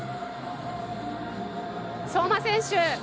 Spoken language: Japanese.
相馬選手